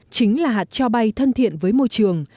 chính là hạt cho bay thân thiện với môi trường